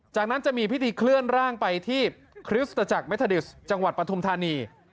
จากนั้นจะมีพิธีเคลื่อนร่างไปที่คริสตจักรเมทาดิสจังหวัดปฐุมธานี